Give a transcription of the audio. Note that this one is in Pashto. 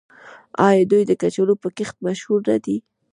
آیا دوی د کچالو په کښت مشهور نه دي؟